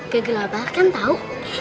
kegelapar kan tau